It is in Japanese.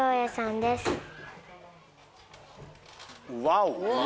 ワオ！